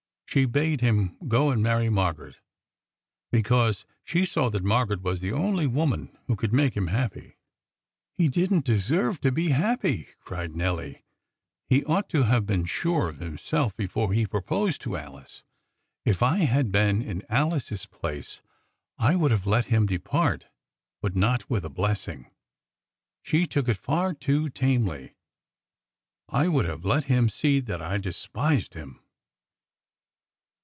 She bade him go and marry Margaret, because she saw that Margaret was the only woman who could make him happy." "He didn't deserve to be happy!" cried Nelly. "He ought to have been sure of himself before he proposed to Alice. If I had been in Alice's place I would have let him depart, but not with a blessing! She took it far too tamely. I would have let him see that I despised him."